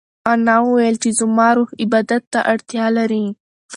انا وویل چې زما روح عبادت ته اړتیا لري.